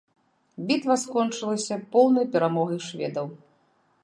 Бітва скончылася поўнай перамогай шведаў.